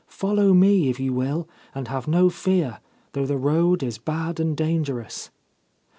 Follow me if you will, and have no fear, though the road is bad and dangerous.'